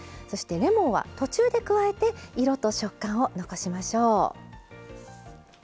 そしてレモンは途中で加えて色と食感を残しましょう。